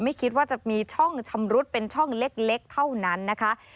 ไม่คิดว่าจะมีช่องชำรุดเป็นช่องเล็กเท่านั้นนะคะ